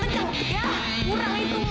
kurang lah itu mah lagi lagi